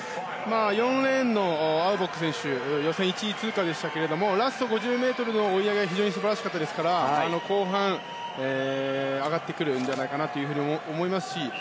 ４レーンのアウボック選手は予選１位通過でしたがラスト５０ｍの追い上げが非常に素晴らしかったですから後半上がってくるんじゃないかと思いますし